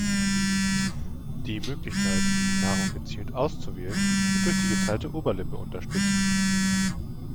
Die Möglichkeit, Nahrung gezielt auszuwählen, wird durch die geteilte Oberlippe unterstützt.